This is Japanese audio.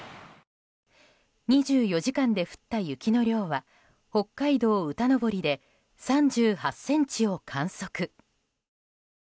２４時間で降った雪の量は北海道歌登で３８ｃｍを観測。